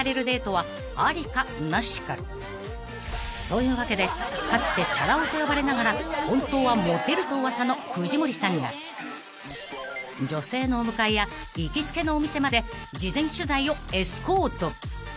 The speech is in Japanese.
［というわけでかつてチャラ男と呼ばれながら本当はモテると噂の藤森さんが女性のお迎えや行きつけのお店まで事前取材をエスコート］